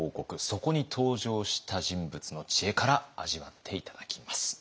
そこに登場した人物の知恵から味わって頂きます。